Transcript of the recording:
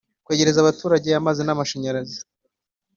Kwegereza abaturage amazi n amashanyarazi